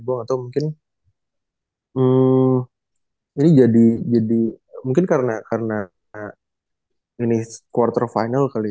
gue gak tau mungkin ini jadi jadi mungkin karena karena ini quarter final kali